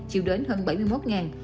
chiều đến hơn bảy mươi một